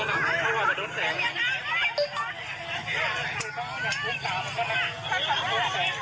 และทำลั่ว